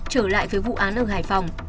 trở lại với vụ án ở hải phòng